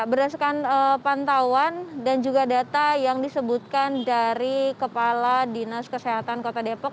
berdasarkan pantauan dan juga data yang disebutkan dari kepala dinas kesehatan kota depok